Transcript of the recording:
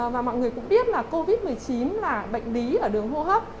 và mọi người cũng biết là covid một mươi chín là bệnh lý ở đường hô hấp